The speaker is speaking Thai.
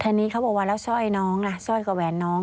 อันนี้เขาบอกว่าแล้วสร้อยน้องล่ะสร้อยกว่าแหวนน้อง